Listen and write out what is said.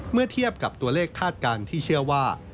เมื่อเทียบกับตัวเลขคาดการณ์ที่เชื่อว่า